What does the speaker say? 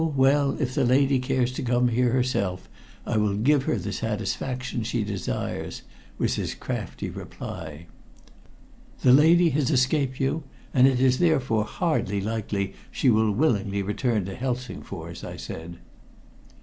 well, if the lady cares to come here herself, I will give her the satisfaction she desires," was his crafty reply. "The lady has escaped you, and it is therefore hardly likely she will willingly return to Helsingfors," I said.